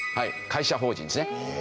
会社法人ですね。